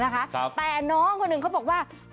ไม่เอาเอาอิงโต้นั่งในหรือไม่ให้ยอม